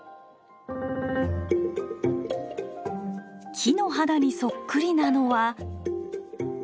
木の肌にそっくりなのは。